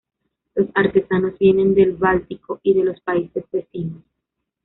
Los artesanos vienen del Báltico y de los países vecinos.